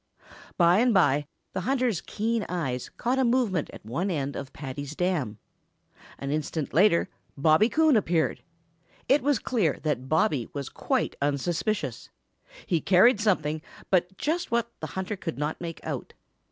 By and by the hunter's keen eyes caught a movement at one end of Paddy's dam. An instant later Bobby Coon appeared. It was clear that Bobby was quite unsuspicious. He carried something, but just what the hunter could not make out.